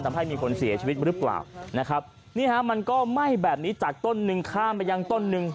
ทำให้มีคนเสียชีวิตหรือเปล่านะครับนี่ฮะมันก็ไหม้แบบนี้จากต้นหนึ่งข้ามไปยังต้นหนึ่ง